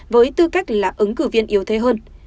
với tư cách là ứng cử viên yếu thế hơn